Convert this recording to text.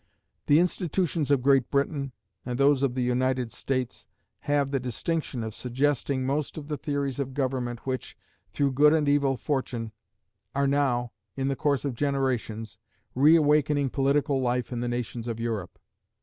The institutions of Great Britain, and those of the United States, have the distinction of suggesting most of the theories of government which, through good and evil fortune, are now, in the course of generations, reawakening political life in the nations of Europe.